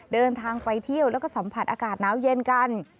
เดินทางไปเที่ยวแล้วก็สัมผัสอากาศหนาวเย็นกัน